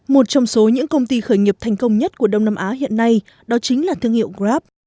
một trong số những công ty khởi nghiệp thành công nhất của đông nam á hiện nay đó chính là thương hiệu grab